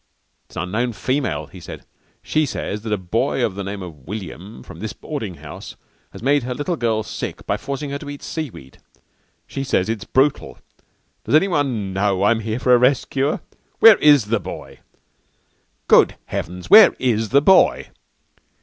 "It's an unknown female," he said. "She says that a boy of the name of William from this boarding house has made her little girl sick by forcing her to eat seaweed. She says it's brutal. Does anyone know I'm here for a rest cure? Where is the boy? Good heavens! Where is the boy?"